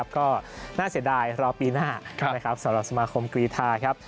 ก็น่าเสียดายรอปีหน้าสำหรับสมาคมกรีธาครับ